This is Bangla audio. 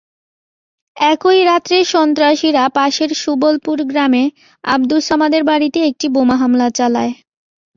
একই রাতে সন্ত্রাসীরা পাশের সুবলপুর গ্রামে আবদুস সামাদের বাড়িতে একটি বোমা হামলা চালায়।